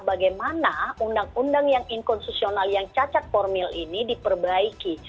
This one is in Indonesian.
bagaimana undang undang yang inkonstitusional yang cacat formil ini diperbaiki